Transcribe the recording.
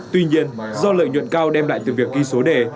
tuy nhiên do lợi nhuận cao đem lại từ việc ghi số đề